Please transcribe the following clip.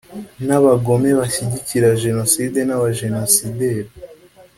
n’Abagome bashyigikira Jenoside n’abajenosideri